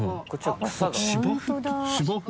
芝生？